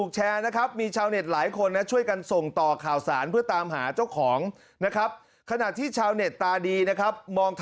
เชิญค่ะหลังจากโพสต์ถูกแชร์นะครับ